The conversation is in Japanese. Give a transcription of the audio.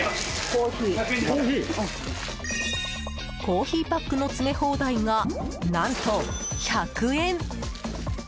コーヒーパックの詰め放題が何と１００円！